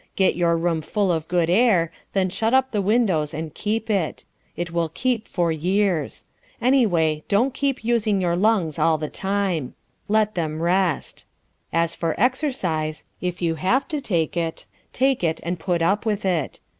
Get your room full of good air, then shut up the windows and keep it. It will keep for years. Anyway, don't keep using your lungs all the time. Let them rest. As for exercise, if you have to take it, take it and put up with it.